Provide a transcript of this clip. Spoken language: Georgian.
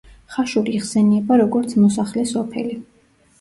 ხაშური იხსენიება, როგორც მოსახლე სოფელი.